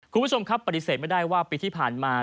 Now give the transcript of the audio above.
คุณผู้ชมครับปฏิเสธไม่ได้ว่าปีที่ผ่านมา